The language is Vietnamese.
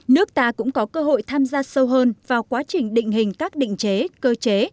nước ta cũng có cơ hội tham gia sâu hơn vào quá trình định hình các định chế cơ chế